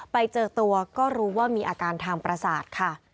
ไปเจอตัวก็รู้ว่ามีอาการทางประสาทค่ะ